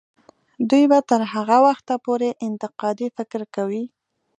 دوی به تر هغه وخته پورې انتقادي فکر کوي.